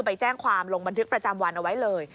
ไปแจ้งความลงบันทึกประจำวันเอาไว้เลย